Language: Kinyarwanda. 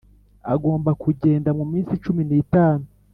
agomba kujyenda mu minsi cumi n itanu